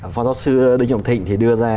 phó giáo sư đinh trọng thịnh thì đưa ra